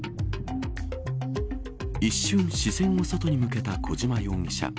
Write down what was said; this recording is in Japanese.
一瞬視線を外に向けた小島容疑者